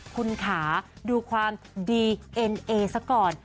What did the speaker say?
คุณขาดูความดีเอไนสักก่อน